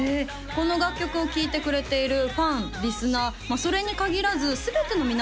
「この楽曲を聴いてくれているファンリスナー」「それに限らず全ての皆様が」